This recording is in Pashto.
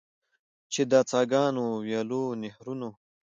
چې د څاګانو، ویالو، نهرونو.